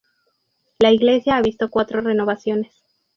La iglesia ha visto cuatro renovaciones.